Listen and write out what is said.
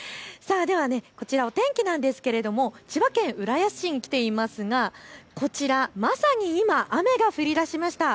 こちら、お天気なんですが千葉県浦安市に来ていますが今まさに雨が降りだしました。